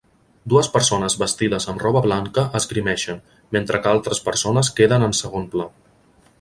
Dues persones vestides amb roba blanca esgrimeixen, mentre que altres persones queden en segon pla.